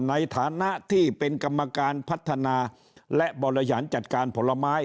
ในฐานะที่เป็นกรรมการพัฒนาและบริหารจัดการผลไม้